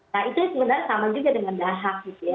nah itu sebenarnya sama juga dengan dahak gitu ya